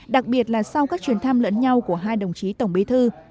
đặc biệt là sau các chuyến thăm lẫn nhau của hai đồng chí tổng bí thư